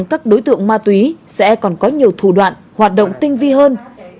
vì thế đối tượng ma túy sẽ còn có nhiều thủ đoạn hoạt động tinh vi hơn